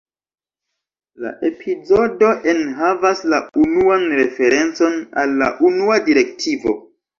La epizodo enhavas la unuan referencon al la Unua direktivo.